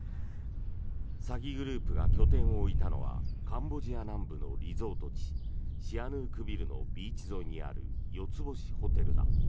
詐欺グループが拠点を置いたのはカンボジア南部のリゾート地シアヌークビルのビーチ沿いにある４つ星ホテルだ。